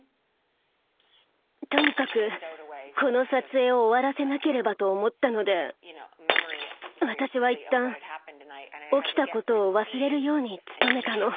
とにかくこの撮影を終わらせなければと思ったので私は一旦起きたことを忘れるように努めたの。